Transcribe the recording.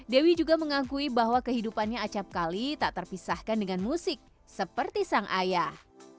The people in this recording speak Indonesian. dewi juga mengakui bahwa kehidupannya acapkali tak terpisahkan dengan musik seperti sang ayah